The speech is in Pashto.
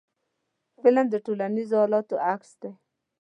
فلم د ټولنیزو حالاتو عکس دی